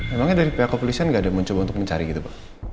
emangnya dari pihak kepolisian nggak ada mencoba untuk mencari gitu pak